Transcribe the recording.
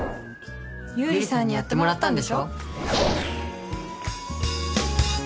ゆうりさんにやってもらったんでしょ？